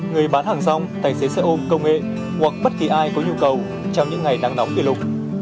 người bán hàng rong tài xế xe ôm công nghệ hoặc bất kỳ ai có nhu cầu trong những ngày nắng nóng kỷ lục